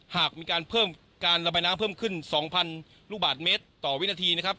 หากมีการเพิ่มการระบายน้ำเพิ่มขึ้น๒๐๐ลูกบาทเมตรต่อวินาทีนะครับ